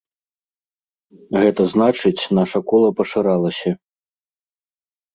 Гэта значыць, наша кола пашырылася.